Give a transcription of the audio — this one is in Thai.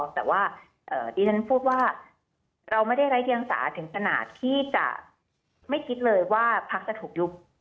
แต่ว่าดิฉันพูดว่าเราไม่ได้ไร้เดียงสาถึงขนาดที่จะไม่คิดเลยว่าพักจะถูกยุบ